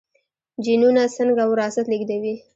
جینونه څنګه وراثت لیږدوي؟